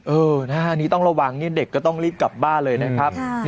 เออหน้านี้ต้องระวังนี่เด็กก็ต้องรีบกลับบ้านเลยนะครับ